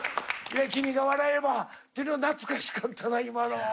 「君が笑えば」って懐かしかったな今の。